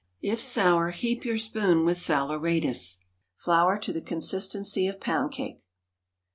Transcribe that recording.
If sour, heap your spoon with saleratus. Flour to the consistency of pound cake.